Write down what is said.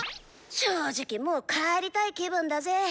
正直もう帰りたい気分だぜ。